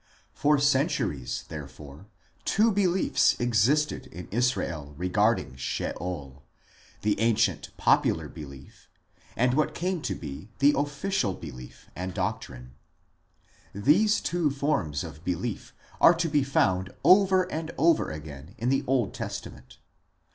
For cen SOME PRELIMINARY CONSIDERATIONS 7 turies, therefore, two beliefs existed in Israel regarding Sheol the ancient popular belief, and what came to be the official belief and doctrine. These two forms of belief are to be found over and over again in the Old Testament.